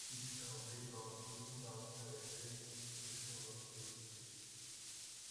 Il semblait grandir, dans ce réveil de son autorité.